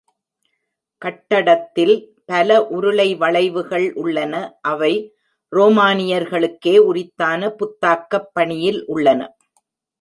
கட்டடத்தில் பல உருளை வளைவுகள் உள்ளன. அவை ரோமானியர்களிக்கே உரித்தான புத்தாக்கப் பாணியில் உள்ளன.